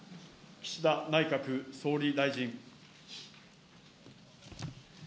岸田内閣総理大臣。